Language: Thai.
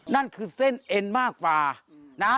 นั่นคือเส้นเอ็นมากกว่านะ